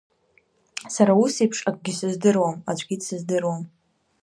Сара ус еиԥш акгьы сыздыруам, аӡәгьы дсыздыруам.